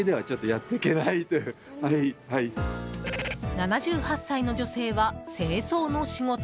７８歳の女性は清掃の仕事。